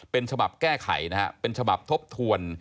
เป็นฉบับแก้ไขนะฮะเป็นฉบับทบทวน